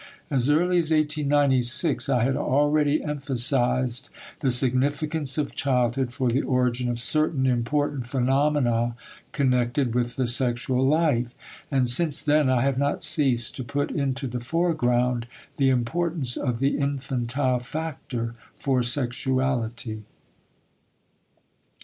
As early as 1896 I had already emphasized the significance of childhood for the origin of certain important phenomena connected with the sexual life, and since then I have not ceased to put into the foreground the importance of the infantile factor for sexuality.